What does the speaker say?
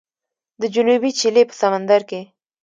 د جنوبي چیلي په سمندر کې